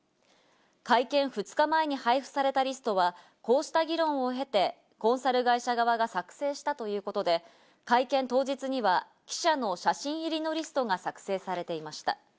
会見２日前に配布されたリストはこうした議論を経て、コンサル会社側が作成したということで、会見当日には記者の写真入りのリストが作成されていました。